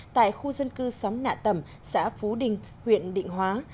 tại khu dân cư xóm nạ tẩm xã phú đình huyện định hóa